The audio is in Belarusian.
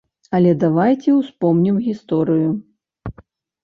Але давайце ўспомнім гісторыю.